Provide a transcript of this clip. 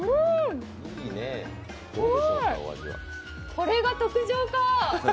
これが特上か。